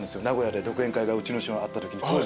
名古屋で独演会がうちの師匠のがあったときに。